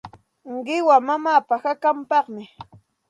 Qiwa mamaapa hakanpaqmi.